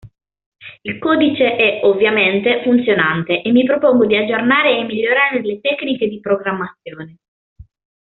Il codice è, ovviamente, funzionante e mi propongo di aggiornare e migliorare le tecniche di programmazione.